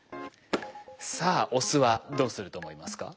さあオスはどうすると思いますか？